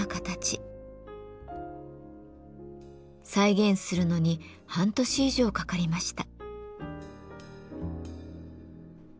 再現するのに半年以上かかりました。